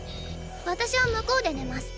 私は向こうで寝ます。